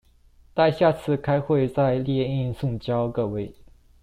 待下次開會再列印送交各位